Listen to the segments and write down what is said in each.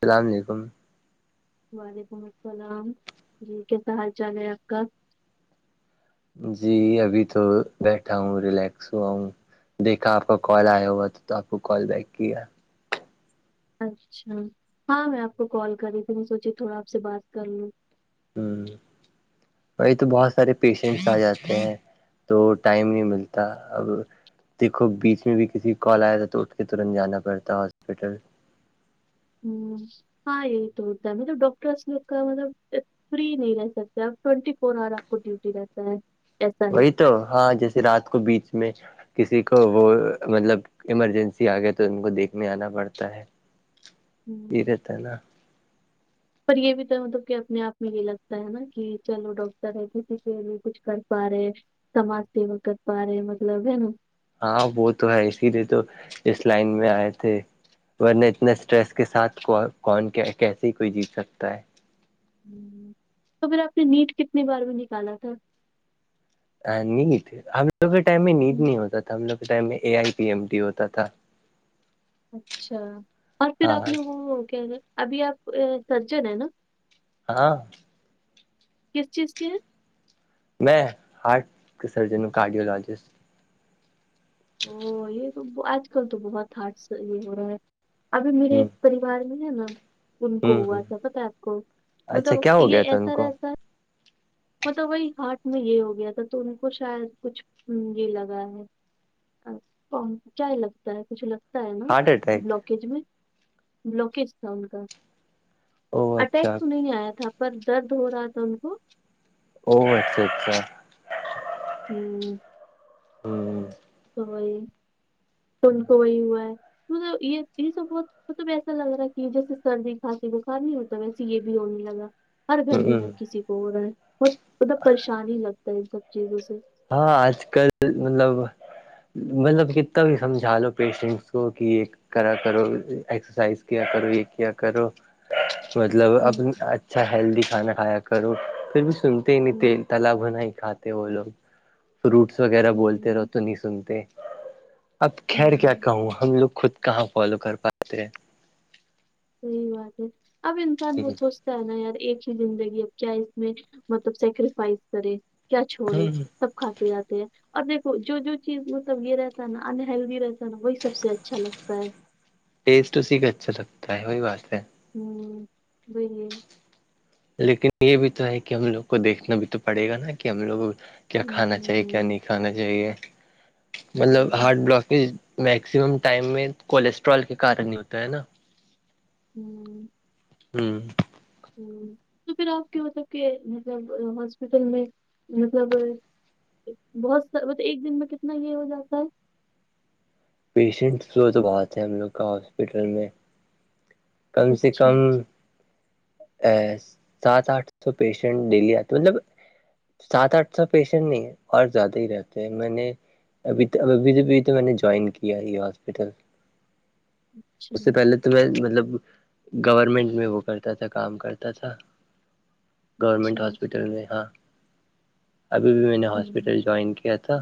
السلام علیکم وعلیکم السلام جی کیس حال چال ہے آپ کا جی ابھی تو بیٹھا ہوں ریلیکس ہوا ہوں دیکھا آپ کا کال آیا ہوا تھا تو آپ کو کال بیک کیا اچھا ہاں میں آپ کو کال کر رہی تھی میں سوچی تھوڑا آپ سے بات کر لوں ہ وہی تو بہت سارے پیشنٹس آ جاتے ہیں تو ٹائم نہیں ملتا اب دیکو بیچ میں بھی کسی کال آیا تھا تو اٹھ کے ترنت جانا پڑتا ہاسپٹل ہاں ہاں یہ توتا ہے مطب ڈاکٹرس ل کا مطلب فری نہیں رہ سکتے اب ٹوینٹی فور آور آپ کو ڈیوٹی رہتا ہے ایسا ہے وہی تو ہاں جیسے رات کو بیچ میں کسی کو وہ مطلب ایمرجنسی آ گیا تو ان کو دیکھنے آنا پڑتا ہے ہوں، یہیر نا پر یہ بھی تو مطلب کہ اپنے آپ میں یہ لگتا ہے نا کہ چلو ڈاکٹر ہے کسی کے لیے کچھ کر پا رہے سماج سیوا کر پا رہے ہیں مطلب ہے نا ہاں وہ تو ہے اسی لیے تو اس لائن میں آئے تھے ورنہ اتنے اسٹریس کے ساتھ کو کون کیسے کوئی جیت سکتا ہے ہ تو پھر آپ نے نیٹ کتنی بار بھی نکالا تھا ند ہم لوگ کے ٹائم میں نید نہیں ہوتا تھا ہم لوگ کے ٹائم میں A I P M duty ہوتا تھا اچھا اور پھر ہاں آپ نے وہ کیا ابھی آپ سرجن ہے نا ہاں کس چیز کی ہے میں ہارٹ کے سرجن ہوں کارڈیوولوجسٹ او یہ تو آج کل تو بہت ہارڈ سے یہ ہو رہا ہے ابھی میرے ہ ایک پریوار میں ہے نا ان کو ہ ہ ہوا تھا پت ہے آپ کو اچھا مطلب کیا ہو گیا یہ تھا ان ایسا کو رہتا ہے مطلب وہی ہاتٹ میں یہ ہو گیا تھا تو ان کو شاید کچھ یہ لگا ہے آ کم جاہی لبتا ہے بوھ ل نا ہارٹ اٹیک بلاکج میں بلاکج تھا ان کا او اٹیک اچھا تو نہیں آیا تھا پر درد ہو رہا تھا ان کو او اچھا اچھا ہوں ہوں تو وہی فن کو وہی ہوا ہے مب یہ یہ سب بہت مطلب ایسا لگ رہا ہے کہ جیسے سردی کھانسی بخار نہیں ہوتا ویسے یہ بھی ہونے لگا ہر گھر میں ہ ہر کسی کو ہو رہا ہے بہت مطلب پریشانی ہی لگتا ہے ان سب چیزوں سے ہاں آج کل مطلب مطلب کتنا بھی سمجھا لو پیشنٹس کو کہ ایک کرا کرو ایکسرسائز کیا کرو یہ کیا کرو مطلب اپ ہوں اچھا ہیلدی کھانا کھایا کرو پھر بھی سنتے ہی ہوں نہیں تیل تال بنا ہی کھاتے وہ لوگ فروٹس وغیرہ بولتے رہو ہوں تو نہیں سنتے اب خیر کیا ہوں کہوں ہم لوگ خود کہاں فالو کر پاتے ہیں صحیح بات ہے اب انسان ہیں وہ سوچ کہنا یار ایک ہی زندگی اب کیا اس میں مطلب سیکریفائس کرے کیا چھوڑے ہ سب کھاتے جاتے ہیں اور دیکھو جو جو چیز مطلب یہ رہتا ہے نا انہلدی رہ وہی سب سے اچھا لگتا ہے ٹیسٹ اس کا اچھا لگتا ہے ہی واسط ہے ہوں بے لیکن یہ بھی تو ہے کہ ہم لوگ کو دیکھنا بھی تو پڑے گا نا کہ ہم لوگ کیا کھانا ہوں چاہیے کیا ہوں نہیں کھانا چاہیے مطلب ہوں ہارٹ بلاک میکسیمم ٹائم میں کولسٹرول کے کار ہی ہوتا ہے نا ہوں ہوں ہ تو پھر آپ کے مطلب کہ مطلب ہاسپٹل میں مطلب بہت س مطلب ایک دن میں کتنا یہ ہو جاتا ہے پیشنٹس وہ تو بہت ہے ہم لوگ کا ہاسپٹل میں کم سے اچھا کم ا سات آٹھ سو پیشنٹ ڈیلی آتے مطلب سات آٹھ سو پیشنٹ نہیں اور زیادہ ہی رہتے ہیں میں نے ابھی تو اب ابھی تو ابھی تو میں نے جوائن کیا ہے یہ ہاسپٹل اچھا اس سے پہلے تو میں مطلب گورنمنٹ میں وہ کرتا تھا کام کرتا تھا اچھا گورنمنٹ ہاسپٹل میں ہاں ابھی بھی میں نے ہوں ہاسپٹل جوائن کیا تھا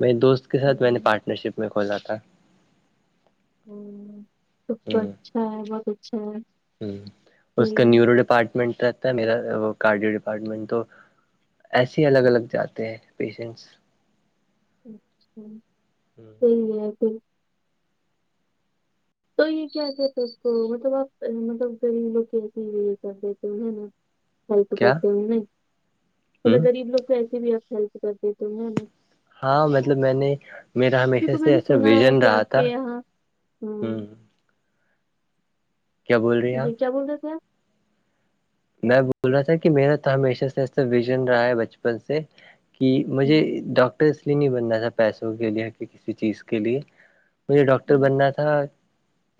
میرے دوست کے ساتھ میں نے ہوں پارٹنر شپ میں کھولا تھا ہ سب تو ہ اچھا ہے بہت اچھا ہے ہ اس کا صحیح نیورو ڈپارٹمنٹ تھا میرا وہ کارڈیو ڈپارٹمنٹ تو ایسے ہی الگ الگ جاتے ہیں پیشنٹس اچھا ٹھیک ہے پھر تو یہ کیا کہتے اس کو مطلب آپ مطلب غریب لوگ کیسے ہی یہ کر دیتے ہو ہیں نا [unintelligible] ہیلپ کرتے ہوں میں ہ مطلگر غریب لوگ کی ایسے بھی آپ ہیلپ کر دیتےوں ن ہاں مطلب میں نے میرا ہمیشہ میں سے نے ایسا سنا ہے وژن کہ رہا آپ تھا کے یہاں ہ ہوں کیا بول رہی ہیں جی کیا آپ بول رہے تھے آپ میں بول رہا تھا کہ میرا تو ہمیشہ سے ایسا وژن رہا ہے بچپن سے کہ مجھے ہوں، ڈاکٹر اس لیے نہیں بننا تھا پیسوں کے لیے کہ کسی چیز کے لیے مجھے ڈاکٹر ہوں، بننا تھا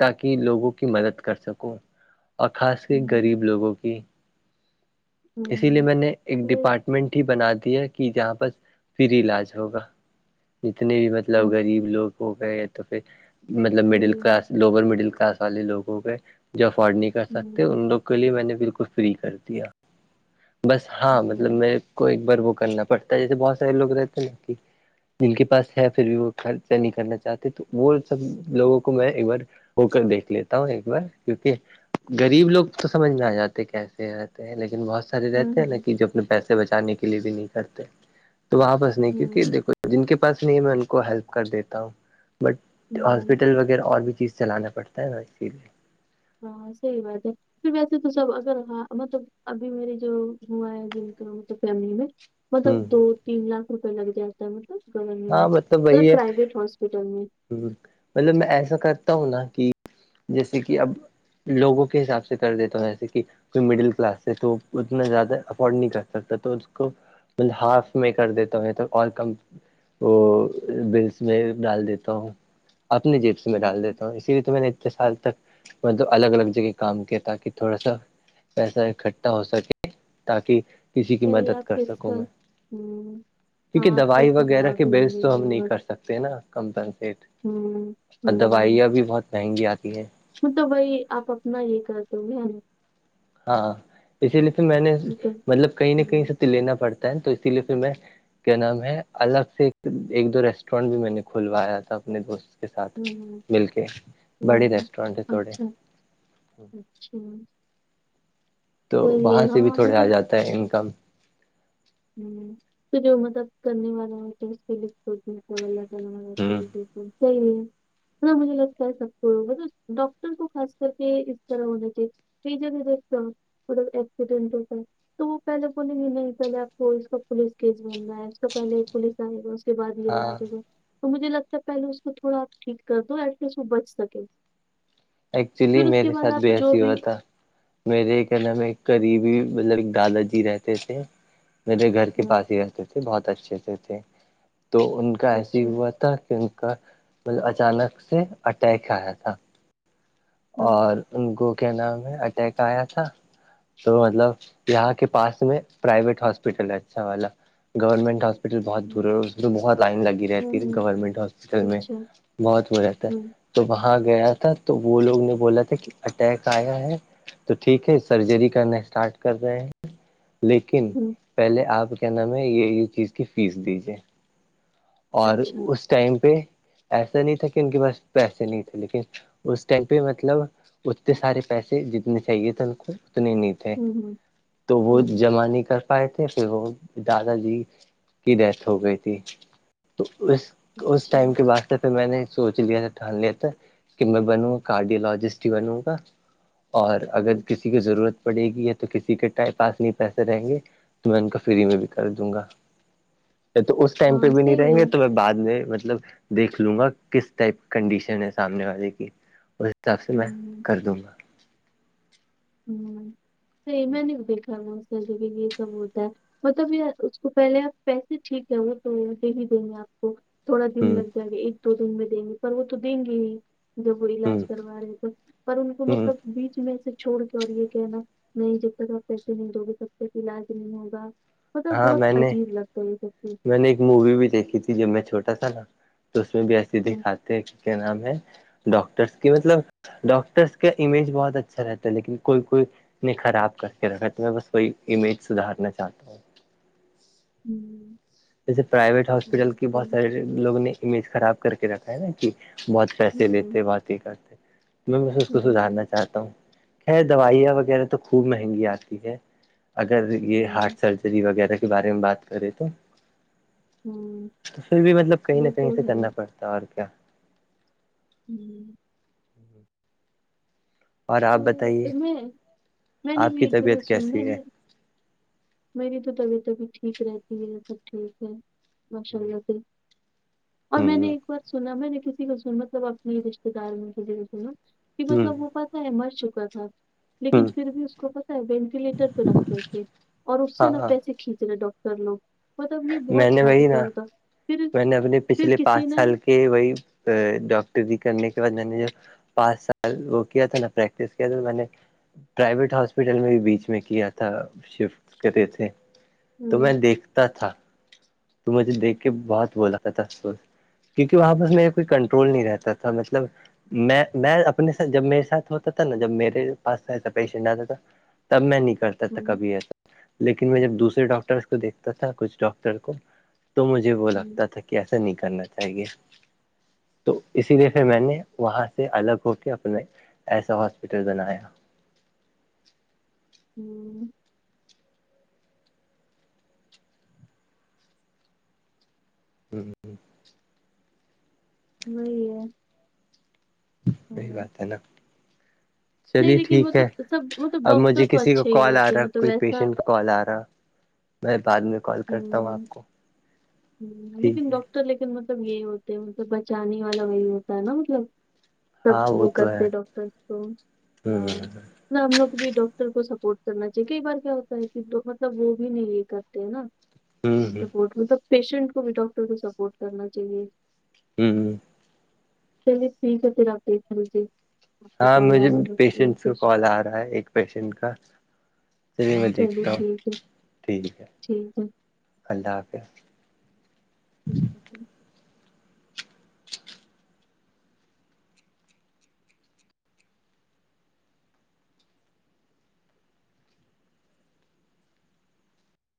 تاکہ لوگوں کی مدد کر سکوں اور خاص کے ہوں، غریب لوگوں کی اسی لیے ہوں، میں نے ایک ہوں، ڈیپارٹ منٹ ہی بنا دیا کہ جہاں پر فری علاج ہوگا جتنے بھی مل مطلب ہوں، غریب لوگ ہو گئے تو پھر مطلب ہوں، مڈل ہوں، کلاس لوور مڈل کلاس والے لوگوں کے جو افورڈ نہیں کر سکتے ان لوگ کے لیے میں نے بالکل فری کر دیا بس ہاں مطلب ہوں، میں کو ایک بار وہ کرنا پڑتا ہے جیسے بہت سارے لوگ رہتے ہیں نا کہ جن کے پاس ہے پھر بھی وہ خرچہ نہیں کرنا چاہتے تو وہ سب لوگوں کو میں ایک بار ہو کر دیکھ لیتا ہوں ایک بار کیونکہ غریب لوگ تو سمجھ میں آ جاتے کیسے رہتے ہیں لیکن بہت سار رہتے ہیں نا ہوں، کہ جب پیسے بچانے کے لیے بھی نہیں کرتے تو وہاں بس نہیں کیکہ ہوں، دیکھو جن کے پاس نہیں ہے میں ان کو ہیلپ کر دیتا ہوں بٹ ہوں، ہاسپٹل وغیرہ اور بھی چیز چلانا پڑتا ہے ہوا اس چیز ہاں سی بات ہے پھر ویسے تو سب اگر ہاں مطلب ابھی میری جو ہوا ہے جن کا مطلب فیملی میں مطلب ہ دو تین لاکھ روپئے لگ جاتا ہے مطلب گورنمنٹ ہاں میں مطلب پرائیویٹ ہاسپٹل میں ہ مطلب میں ایسا کرتا ہوں نا کہ جیسے کہ اب لوگوں کے حساب سے کر دیتا ہوں جیسے کہ کوئی مڈل کلاس ہے تو اتنا زیادہ افورڈ نہیں کر سکتا تو اس کو طل ہاف میں کر دیتا ہے تو اور کم وہ بلس میں ڈال دیتا ہوں اپنے جیب سے میں ڈال دیتا ہوں اسی لیے تو میں نے اتنے سال تک مطلب الگ الگ جگہ کام کیا تاکہ تھوڑا سا پیسہ اکٹھا ہو سکے تاکہ کسی کی چلیے مدد آپ کر کو اس سکوں کا میں ہوں، کیونکہ ہاں آپ کو دوائی اس کا وغیرہ ثواب کے بھی بیس ملے تو گا ہم نہیں بہت کر سکتے نا کم پنٹ ہوں، اور دوائیاں بھی بہت مہنگی آتی ہیں ہ تو وہائی آپ اپنا یہ کر دو گےا ہاں اسی لیے پھر میں نے مطلب کہیں نہ کہیں ہوں سے تو لینا پڑتا ہے تو اسی لیے پھر میں کیا نام ہے الگ سے ایک دو ریسٹورینٹ بھی میں نے کھلوایا تھا اپنے دوست کے ساتھ ہوں مل کے بڑی ہوں ریسٹورینٹ ہے تھوڑے اچھا اچھا تو صحیح ہے وہاں سے بھی ہاں تھوڑے آ مطلب جاتا ہے انکم ہ تو جو مدد کرنے والا ہے تو اس کے لیلہال ہوں سی ہ مجھے لگتا ہے سب کو مطلب ڈاکٹر کو خاص کر کے اس طرح ہونا چاہیے یہ ج دتا وہ ایکسیڈینٹ ہو جائے تو وہ پہے بلی گ نہیں پہے وہ اس کا پولیس کیس بننا ہے اس کو پہلے پوولس آئے گا اس کے بد یہ ہاں علاج ہوگا تو مجھے لگتا ہے پہلے اس کو تھوڑا آپ ٹھیک کر دو ایٹ لیسٹ وہ بچ سکے ایکچولی پھر اس کے میرے بعد ساتھ آپ بھی جو ایسی ہوا تھا میرے کیا ن میں ایک قریبی مطلب دادا جی رہتے تھے میرے گھر کے پاس ہی رہتے تھے بہت اچھے سے تھے تو ان کا ایسی اچھا ہوا تھا کہ ان کا اچانک سے اٹیک آیا تھا ہوں اور ان کو کیا نام ہے اٹیک آیا تھا تو مطلب یہاں کے پاس میں پرائیویٹ ہاسپٹل ہے اچھا والا گورنمنٹ ہاپ ہپٹل بہت دور ہوں اور اس میں بہت لائن لگی رہتی ہوں ہے ہوں گورنمنٹ ہاسپٹل میں اچھا بہت ہو جاتتا ہے ہوں تو وہاں گیا تھا تو وہ لوگ نے بولا تھا کہ اٹیک آیا ہے تو ٹھیک ہے سرجری کرنا اسٹارٹ کر رہے ہیں لیکن ن ہوں پہلے آپ کیا نام ہے یہ یہ چیز کی فیس دیجیے اور اچھا اس ٹائم پہ ایسا نہیں تھا کہ ان کے پاس پیسے نہیں تھے لیکن اس ٹائم پہ مطلب اتنے سارے پیسے جتنے چاہیے تھ ان کو اتنے نہیں تھ ہوں ہوں تو وہ ہوں جمانی کر پائے تھے پھر وہ دادا جی کی ڈیتھ ہو گئی تھی تو اس اس اچھا ٹائم کے بعد پھر میں نے سوچ لیا تھا ٹان ل تھا کہ میں بنوں گا کارڈیولوجسٹ بنوں گا اور اگر ہوں کسی کی ضرورت پڑے گی ہے تو کسی کے ٹائم پاس نہیں پیسے رہیں گے تو میں ان کا فری میں بھی کر دوں گا تو اس ٹائم پہ ہاں بھی نہیں صحیح رہیں گے ہے تو بعد میں مطلب دیکھ لوں گا کس ٹائپ کنڈیشن ہے سامنے والے کی حساب سے میں ہوں کر دوں گا ہوں تو ا م بھی دیکھا م س ج بھی یہ سبتا مطلب اس کو پہلے آپ پیسے ٹھیک ہےئے تو دے ہی دیں گے آپ کو تھوڑا دن ہ لگ جائے گا ایک دو دن میں دیں گے پر وہ تو دیں گے ہی جب وہ ہ علاج کروا رہے تھے پر ان کو ہ مطلب بیچ میں سے چھوڑ کے اور یہ کہ نا نہیں جب تک آپ پیسے نہیں دو گے تب تک علاج نہیں ہوگا مطلب ہاں بہت میں نے عجیب لگتا ہے یہ سب چیز میں نے ایک مووی بھی دیکھی تھی جب میں چھوٹا تھا نا تو اس میں بھی ایسے وہ دکھاتے ہیں کہ کیا نام ہے ڈاکٹرس کے مطلب ڈاکٹرس کا امیج بہت اچھا رہتا ہے لیکن کوئی کوئی خراب کر کے رکھا تو میں بس وہی امیج سدھارنا چاہتا ہوں ہوں جیسے پرائیویٹ ہاسپٹل کی بہت سارے لوگ نے امیج خراب کر کے رکھا ہے نا کہ بہت پیسے لیتے بہات ہی کرتے میں اس کو سدھارنا چاہتا ہوں ہے دوائیاں وغیرہ تو خوب مہنگی آتی ہے اگر یہ ہارٹ سرج وغیرہ کے بارے میں بات کرے تو ہوں تو پھر بھی مطلب کہیں نہ کہیں سے کرنا پڑتا ہے اور کیا ہوں اور آپ بتائیے تو میں میں نے آپ کی بھی طبیعت س میں کیسی ہے نے میری تو طبیعت ابھی ٹھیک رہتی ہے سب ٹھیک ہے ماشاء اللہ سے ہ اور میں نے ایک ہ بار سنا میں نے کسی کو سن مطلب اپنے رشتے دار میں کسی کو سنا کہ مطلب وہ پتہ ہے مر چکا تھا ہ لیکن پھر بھی اس کو پتا ہے وینٹیلیٹر پہ رکھ کر کے اور اس سے ہاں نہ ہاں پیسے ھی ڈاکٹر لو مطلب یہ بہت میں نے فد وہی کا نا ہوتا پھر پھر کسی نے کہ وہی ڈاکٹری کرنے کے بعد میں نے جو پانچ سال وہ کیا تھا نا پریکٹس کیا تھا میں نے پرائیویٹ ہاسپٹل میں بھی بیچ میں کیا تھا شفٹ کرتے تھے تو میں ہوں دیکھتا تھا تو مجھے دیکھ کے بہت بولاتا تھا کیونکہ وہاں پر میر کوئی کنٹرول نہیں رہتا تھا مطلب میں میں اپنے ساتھ جب میرے ساتھ ہوتا تھا نا جب میرے پاس ایسا پیشنٹ آتا تھا تب میں نہیں کرتا تھا ہوں کبھی ایسا لیکن میں جب دوسرے ڈاکٹرس کو دیکھتا تھا کچھ ڈاکٹر کو تو مجھے وہ ہوں لگتا تھا کہ ایسا نہیں کرنا چاہیے تو اسی لیے پھر میں نے وہاں سے الگ ہو کے اپنے ایسا ہاسپیٹل بنایا ہوں ہوں ہاں وہی ہے وہی ہاں بات ہے نا نہیں چلیے لیکن وہ ٹھیک تو ہے سب وہ تو اب ڈاکٹر مجھے تو کسی کو اچھے ہی کال آ ہوتے رہا ہیں ہے مطلب کوئی ایسا پیشنٹ کا کال آ رہا میں بعد میں کال کرتا ہوں آپ کو ہ نہیںیک ٹھیک ہے ڈاک تو لیکن مطلب یہی ہوتے ہیں مطلب بچانے والا وہی ہوتا ہے نا مطلب ہاں سب وہ تو ہے کرتے ڈاکٹرس کو ہ نہا ہم لوگ بھی ڈاکٹر کو سپورٹ کرنا چاہیے کئی بار کیا ہوتا ہے کہ مطلب وہ بھی نہیں یہ کرتے ہیں نا ہوں سپورٹ مطلب پیشنٹ کو بھی ڈاکٹر کو سپورٹ کرنا چاہیے ہوں چلیےٹھیک ہے پھر آپ کے جی ہاں مجھے پیشنٹ سے کال آ رہا ہے ایک پیشنٹ کا چلیے میں دیکھتا ہوں ٹھیک ہے ٹھیک ہے ٹھیک ہے اللہ حافظ اللہ حافظ